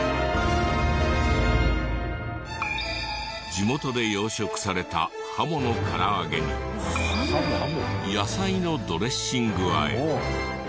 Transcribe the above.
地元で養殖されたハモのから揚げに野菜のドレッシング和え。